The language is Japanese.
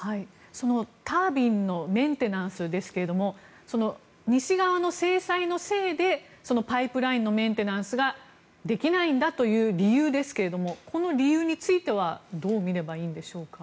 そのタービンのメンテナンスですが西側の制裁のせいでパイプラインのメンテナンスができないんだという理由ですがこの理由についてはどう見ればいいのでしょうか。